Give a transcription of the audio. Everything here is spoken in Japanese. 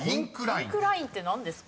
「インクライン」って何ですか？